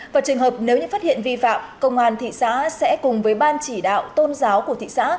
và trường hợp nếu như phát hiện vi phạm công an thị xã sẽ cùng với ban chỉ đạo tôn giáo của thị xã